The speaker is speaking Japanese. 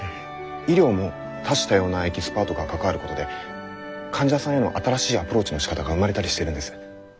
医療も多種多様なエキスパートが関わることで患者さんへの新しいアプローチのしかたが生まれたりしてるんです。